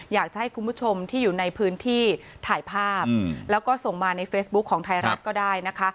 อยากจะให้คุณผู้ชมที่อยู่ในพื้นที่ถ่ายภาพแล้วก็ส่งมาในเฟซบุ๊คของไทยรัฐก็ได้นะคะ